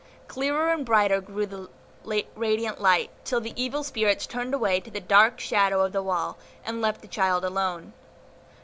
Clearer and brighter grew the radiant light, till the evil spirits turned away to the dark shadow of the wall, and left the child alone.